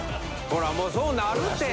ほらもうそうなるて。